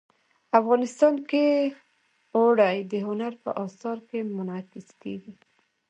افغانستان کې اوړي د هنر په اثار کې منعکس کېږي.